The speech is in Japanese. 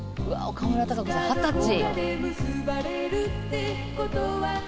岡村孝子さん二十歳。